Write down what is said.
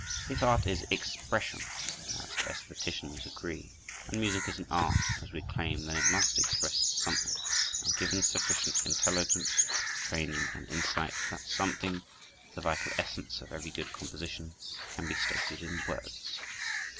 If art is expression, as estheticians agree, and music is an art, as we claim, then it must express something; and, given sufficient intelligence, training, and insight, that something—the vital essence of every good composition—can be stated in words.